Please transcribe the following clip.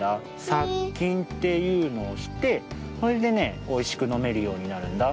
さっきんっていうのをしてそれでねおいしくのめるようになるんだ。